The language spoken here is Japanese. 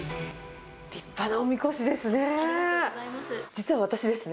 立派なおみこしですね。